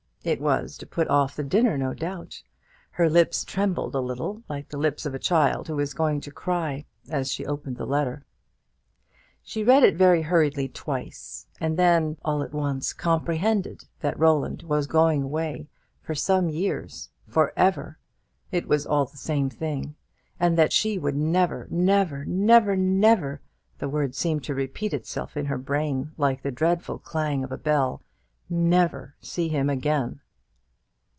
It was to put off the dinner, no doubt. Her lips trembled a little, like the lips of a child who is going to cry, as she opened the letter. She read it very hurriedly twice, and then all at once comprehended that Roland was going away for some years, for ever, it was all the same thing; and that she would never, never, never, never, the word seemed to repeat itself in her brain like the dreadful clanging of a bell, never see him again!